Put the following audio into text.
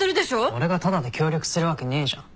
俺がタダで協力するわけねえじゃん。